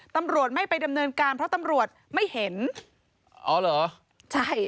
ตำรวจไม่ไปดำเนินการเพราะตำรวจไม่เห็นอ๋อเหรอใช่